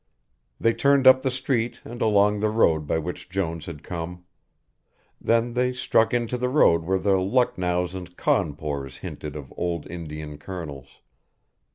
They turned up the street and along the road by which Jones had come. Then they struck into the road where the "Lucknows" and "Cawnpores" hinted of old Indian Colonels.